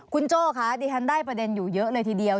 คุณโจ้คะดิฉันได้ประเด็นอยู่เยอะเลยทีเดียว